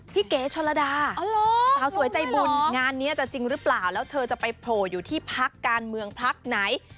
เก๋ชนระดาสาวสวยใจบุญงานนี้จะจริงหรือเปล่าแล้วเธอจะไปโผล่อยู่ที่พักการเมืองพักไหน